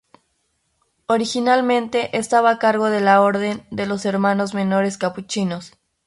Originalmente estaba a cargo de la orden de los Hermanos Menores Capuchinos.